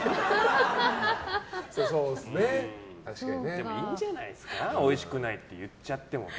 でも、いいんじゃないですかおいしくないって言っちゃっても。